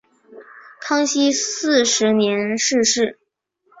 康熙四十年逝世。